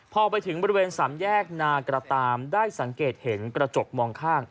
พอไปถึงบริเวณสามแยกนากระตามได้สังเกตเห็นกระจกมองข้าง